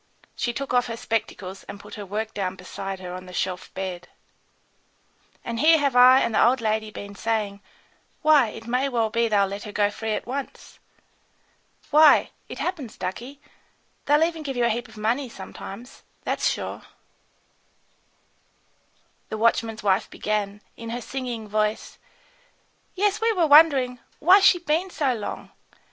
She took off her spectacles and put her work down beside her on the shelf bed. "And here have I and the old lady been saying, 'Why, it may well be they'll let her go free at once.' Why, it happens, ducky, they'll even give you a heap of money sometimes, that's sure," the watchman's wife began, in her singing voice: "Yes, we were wondering, 'Why's she so long?